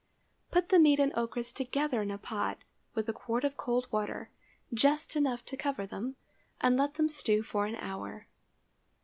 Put the meat and ochras together in a pot with a quart of cold water—just enough to cover them—and let them stew for an hour.